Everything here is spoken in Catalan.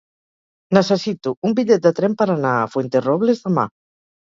Necessito un bitllet de tren per anar a Fuenterrobles demà.